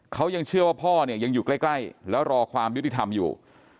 เขายังเชื่อว่าพ่อเนี่ยยังอยู่ใกล้แล้วรอความยุติธรรมอยู่